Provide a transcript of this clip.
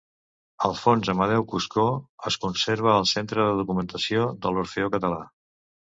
El fons Amadeu Cuscó es conserva al Centre de Documentació de l’Orfeó Català.